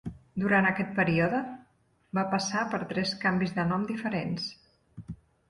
Durant aquest període va passar per tres canvis de nom diferents.